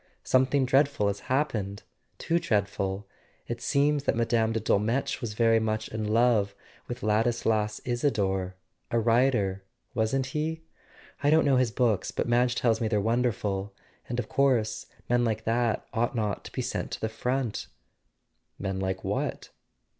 Something dreadful has happened ... too dreadful. It seems that Mme. de Dolmetsch was very much in love with Ladis las Isador; a writer, wasn't he P I don't know his books, but Madge tells me they're wonderful ... and of course men like that ought not to be sent to the front. .."" Men like what